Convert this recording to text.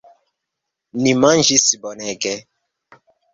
Ni manĝis bonege.